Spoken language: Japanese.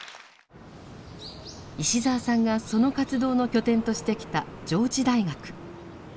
石澤さんがその活動の拠点としてきた上智大学。